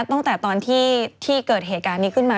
ตั้งแต่ตอนที่เกิดเหตุการณ์นี้ขึ้นมา